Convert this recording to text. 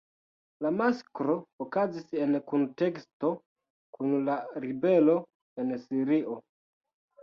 La masakro okazis en kunteksto kun la ribelo en Sirio.